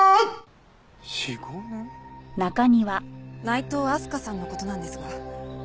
内藤明日香さんの事なんですが。